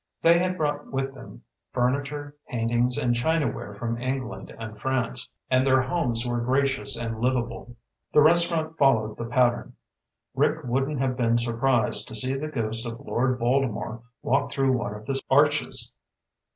They had brought with them furniture, paintings, and chinaware from England and France, and their homes were gracious and livable. The restaurant followed the pattern. Rick wouldn't have been surprised to see the ghost of Lord Baltimore walk through one of the arches.